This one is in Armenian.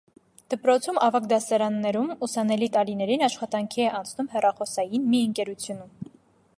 Դպրոցում ավագ դասարաններում ուսանելի տարիներին աշխատանքի է անցնում հեռախոսային մի ընկերությունում։